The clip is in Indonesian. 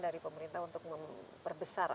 dari pemerintah untuk memperbesar